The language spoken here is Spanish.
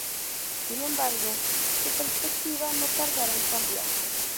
Sin embargo, su perspectiva no tardará en cambiar.